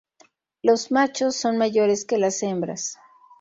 Los machos son mayores que las hembras.